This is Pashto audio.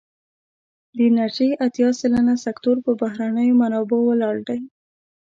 د انرژی اتیا سلنه سکتور پر بهرنیو منابعو ولاړ دی.